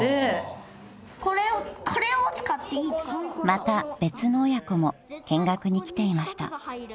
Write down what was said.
［また別の親子も見学に来ていました］